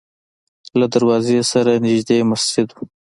له دروازې سره نږدې یې مسجد و.